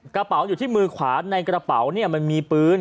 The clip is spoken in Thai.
กระเป๋าอยู่ที่มือขวาในกระเป๋าเนี่ยมันมีปืน